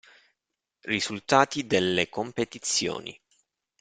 Risultati delle competizioni